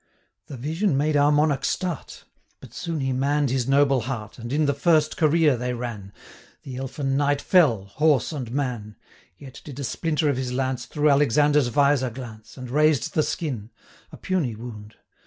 'The vision made our Monarch start, But soon he mann'd his noble heart, And in the first career they ran, The Elfin Knight fell, horse and man; 465 Yet did a splinter of his lance Through Alexander's visor glance, And razed the skin a puny wound.